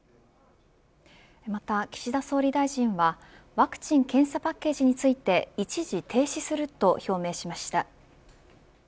また、岸田総理大臣はワクチン・検査パッケージについて、一時停止すると表明しました。